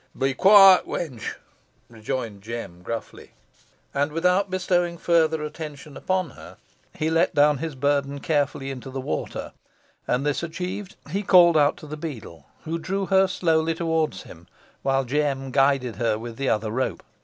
"Be quiet, wench," rejoined Jem, gruffly. And without bestowing further attention upon her, he let down his burden carefully into the water; and this achieved, he called out to the beadle, who drew her slowly towards him, while Jem guided her with the other rope.